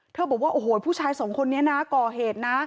บอกว่าโอ้โหผู้ชายสองคนนี้นะก่อเหตุนะ